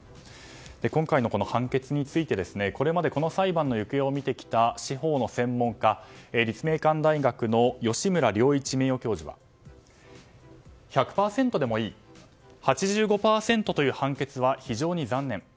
今回の判決について、これまでこの裁判の行方を見てきた司法の専門家、立命館大学の吉村良一名誉教授は１００％でもいい８５％という判決は非常に残念。